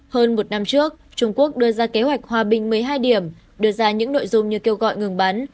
hơn một năm trước trung quốc đưa ra kế hoạch hòa bình một mươi hai điểm đưa ra những nội dung như kêu gọi ngừng bắn